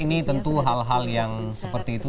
ini tentu hal hal yang seperti itu